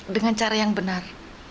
dengan cara yang benar